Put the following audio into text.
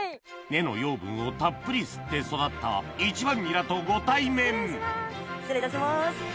根の養分をたっぷり吸って育った一番ニラとご対面失礼いたします。